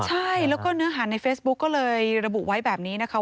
ใช่แล้วก็เนื้อหาในเฟซบุ๊กก็เลยระบุไว้แบบนี้นะคะ